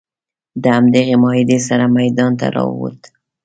د همدغې معاهدې سره میدان ته راووت.